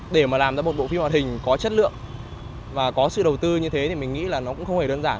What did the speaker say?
để mà làm ra một bộ phim hoạt hình có chất lượng và có sự đầu tư như thế thì mình nghĩ là nó cũng không hề đơn giản